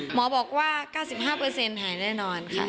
หมอบอกว่า๙๕หายแน่นอนค่ะ